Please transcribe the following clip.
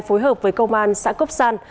phối hợp với công an xã cốc san